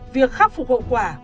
việc khắc phục hậu quả